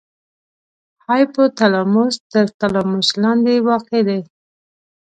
هایپو تلاموس تر تلاموس لاندې واقع دی.